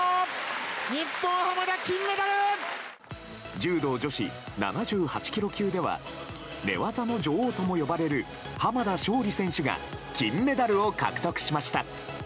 柔道女子７８ｋｇ級では寝技の女王とも呼ばれる濱田尚里選手が金メダルを獲得しました。